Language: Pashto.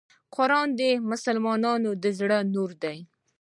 قرآن د مسلمان د زړه نور دی .